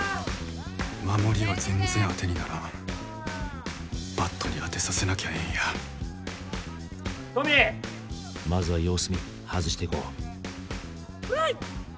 守りは全然あてにならんバットに当てさせなきゃええんやトミーまずは様子見外していこうプレー！